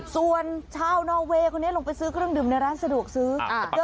ส่วนชาวนอเวย์คนนี้ลงไปซื้อเครื่องดื่มในร้านสะดวกซื้อ